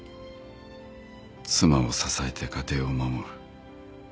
妻を支えて家庭を守る。